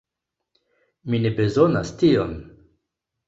Mi ne bezonas tion.